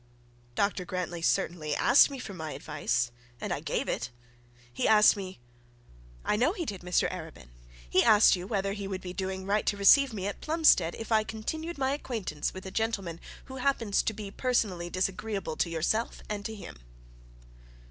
'Dr Grantly certainly asked me for my advice, and I gave it. He asked me ' 'I know he did, Mr Arabin. He asked you whether he would be doing right to receive me at Plumstead, if I continued my acquaintance with a gentleman who happens to be personally disagreeable to yourself and to him?'